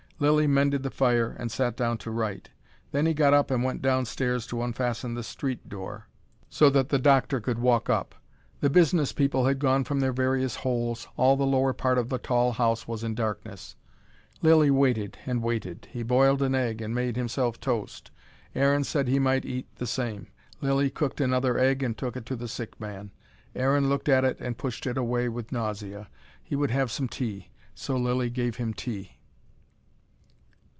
Lilly mended the fire, and sat down to write. Then he got up and went downstairs to unfasten the street door, so that the doctor could walk up. The business people had gone from their various holes, all the lower part of the tall house was in darkness. Lilly waited and waited. He boiled an egg and made himself toast. Aaron said he might eat the same. Lilly cooked another egg and took it to the sick man. Aaron looked at it and pushed it away with nausea. He would have some tea. So Lilly gave him tea.